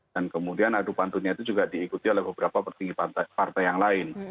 dan kemudian adu pantunnya itu juga diikuti oleh beberapa petinggi partai yang lain